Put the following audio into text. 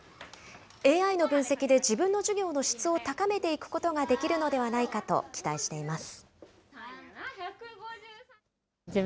ＡＩの分析で自分の授業の質を高めていくことができるのではないかと期待しています。